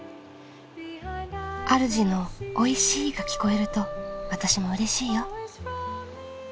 あるじのおいしいが聞こえると私もうれしいよ。